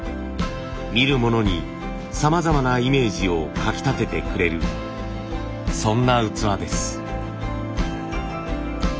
見る者にさまざまなイメージをかき立ててくれるそんな器です。